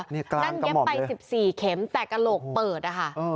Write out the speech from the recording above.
นั่นเย็บไป๑๔เข็มแต่กระโหลกเปิดอะค่ะ